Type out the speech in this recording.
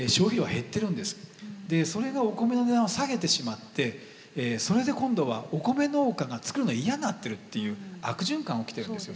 でそれがお米の値段を下げてしまってそれで今度はお米農家が作るの嫌になってるという悪循環起きてるんですよね。